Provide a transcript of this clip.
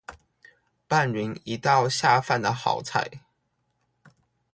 拌勻一道下飯的好菜